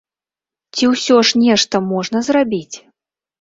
Ці ўсё ж нешта можна зрабіць?